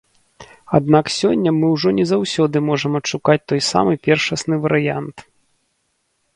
Аднак сёння мы ўжо не заўсёды можам адшукаць той самы першасны варыянт.